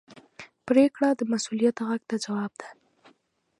پرېکړه د مسؤلیت غږ ته ځواب ده.